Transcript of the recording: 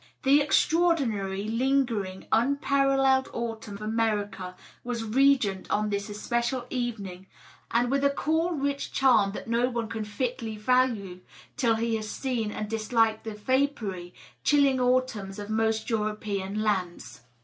The extraordinary, lingering, unparalleled autumn of America was r^nant on this especial evening, and with a DOUGLAS DUANE. 563 cool, rich charm that no one can fitly value till he has seen and dis liked the vapory, chilling autumns of most European lands.